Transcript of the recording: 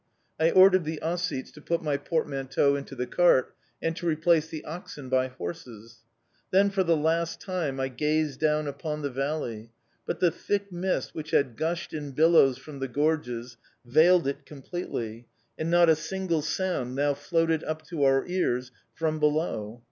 I ordered the Ossetes to put my portmanteau into the cart, and to replace the oxen by horses. Then for the last time I gazed down upon the valley; but the thick mist which had gushed in billows from the gorges veiled it completely, and not a single sound now floated up to our ears from below.